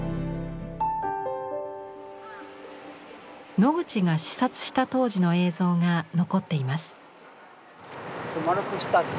ノグチが視察した当時の映像が残っています。